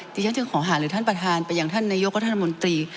ดิฉันจึงขอหาหรือท่านประธานไปอย่างท่านนายกก็ท่านมนตรี